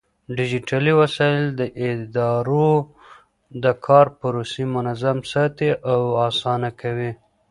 ډيجيټلي وسايل د ادارو د کار پروسې منظم ساتي او آسانه کوي.